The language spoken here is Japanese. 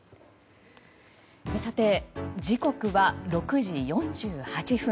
時刻は６時４８分。